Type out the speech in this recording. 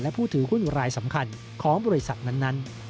และผู้ถือหุ้นรายสำคัญของบริษัทนั้น